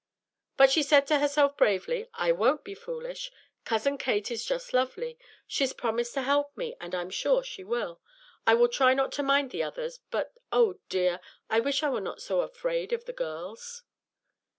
But she said to herself bravely: "I won't be foolish. Cousin Kate is just lovely; she's promised to help me, and I'm sure she will. I will try not to mind the others; but, oh dear! I wish I were not so afraid of the girls."